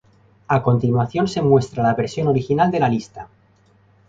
A continuación se muestra la versión original de la lista.